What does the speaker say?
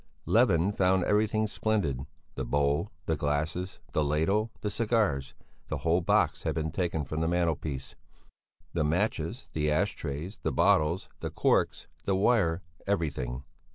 Levin found everything splendid; the bowl, the glasses, the ladle, the cigars the whole box had been taken from the mantelpiece the matches, the ash trays, the bottles, the corks, the wire everything.